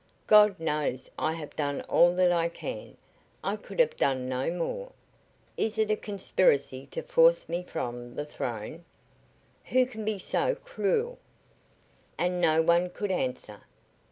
God knows I have done all that I can. I could have done no more. Is it a conspiracy to force me from the throne? Who can be so cruel?" And no one could answer.